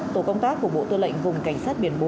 tổ công tác của bộ tư lệnh vùng cảnh sát biển bốn